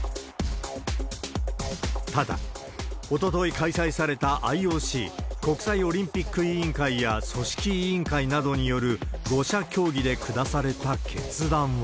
ただ、おととい開催されたＩＯＣ・国際オリンピック委員会や組織委員会などによる５者協議で下された決断は。